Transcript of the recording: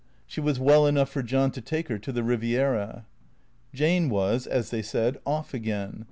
She was well enough for John to take her to the Eiviera. Jane was, as they said, " off " again.